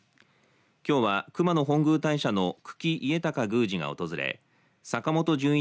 きょうは熊野本宮大社の九鬼家隆宮司が訪れ坂本純一